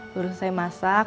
baru selesai masak